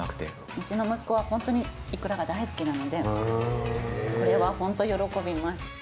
うちの息子はホントにいくらが大好きなのでこれはホント喜びます。